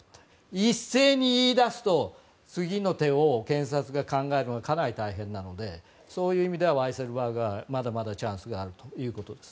一斉に言い出すと次の手を検察が考えるのはかなり大変なのでそういう意味ではワイセルバーグはまだまだチャンスがあるということです。